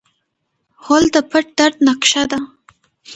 غول د پټ درد نقشه ده.